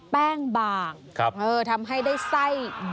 แป้งบางทำให้ได้ไส้